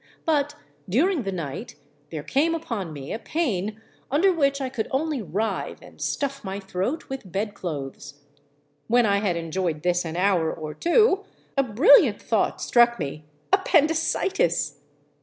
But during the night there came upon me a pain under which I could only writhe and stuff my throat with bedclothes. When I had enjoyed this an hour or two, a brilliant thought struck me, — appendicitis